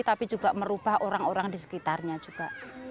tapi juga merubah orang orang di sekitarnya juga